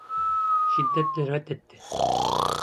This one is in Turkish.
Şiddetle reddetti.